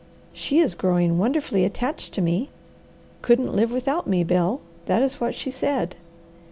"She is growing wonderfully attached to me. 'Couldn't live without me,' Bel, that is what she said.